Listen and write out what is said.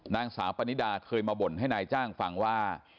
นางสาวปนิดาเคยมาบ่นให้นายจ้างฟังว่า